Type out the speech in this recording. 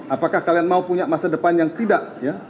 apakah kalian mau punya masa depan yang tidak ya